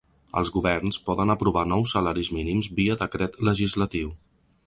Els governs poden aprovar nous salaris mínims via decret legislatiu.